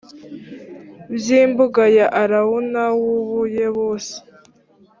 bw imbuga ya arawuna w umuyebusi